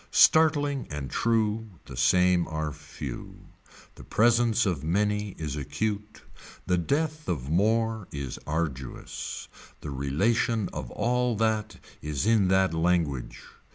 Startling and true the same are few. The presence of many is acute. The death of more is arduous. The relation of all that is in that language.